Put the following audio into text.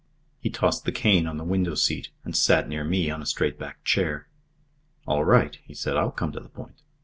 He tossed the cane on the window seat and sat near me on a straight backed chair. "All right," he said. "I'll come to the point.